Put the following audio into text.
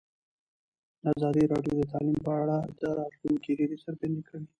ازادي راډیو د تعلیم په اړه د راتلونکي هیلې څرګندې کړې.